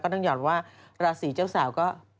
ก็นั่งหย่อนว่ารัสสีเจ้าสาวก็